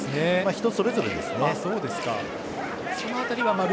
人それぞれですね。